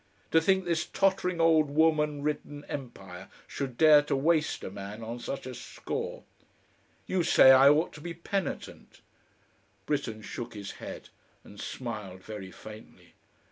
To think this tottering old woman ridden Empire should dare to waste a man on such a score! You say I ought to be penitent " Britten shook his head and smiled very faintly.